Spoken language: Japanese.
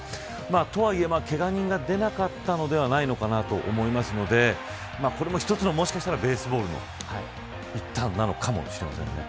とはいえ、けが人が出なかったのではないのかなと思うのでこれも一つの、もしかしたらベースボールの一端なのかもしれませんね。